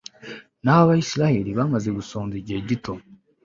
naho abayisraheli bamaze gusonza igihe gito